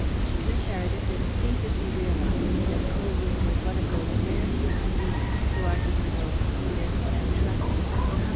Miss Heredith instinctively realized that Colwyn was one of those rare human beings who are to be both feared and trusted.